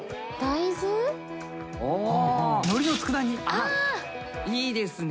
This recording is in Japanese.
あっいいですね